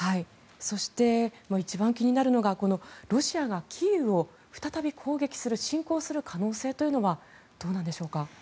そして一番気になるのがロシアがキーウを再び攻撃する侵攻する可能性というのはどうなんでしょうか。